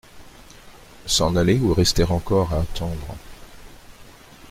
S’en aller ou rester encore à attendre ?